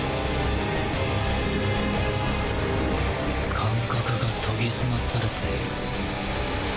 感覚が研ぎ澄まされている